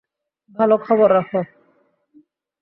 ভালো খবর রাখো।